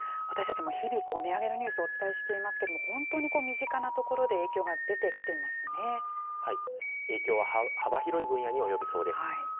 私たちも日々、値上げのニュースをお伝えしていますけれども、本当に身近なところで影響が出てき影響は幅広い分野に及びそうです。